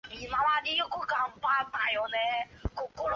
稀花勿忘草为紫草科勿忘草属的植物。